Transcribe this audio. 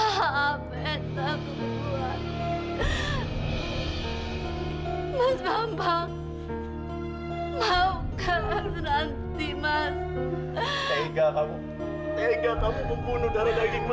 kalian kamu bersama saya ibu